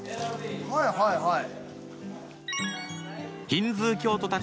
はいはいはい。